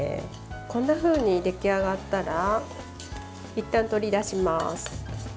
こんなふうに出来上がったらいったん取り出します。